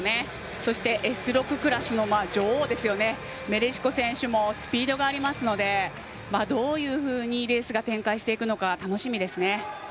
そしてＳ６クラスの女王ですよね、メレシコ選手もスピードがありますのでどういうふうにレースが展開していくのか楽しみです。